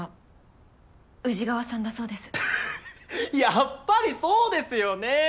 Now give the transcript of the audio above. やっぱりそうですよね。